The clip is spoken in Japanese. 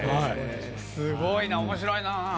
すごいな、おもしろいな。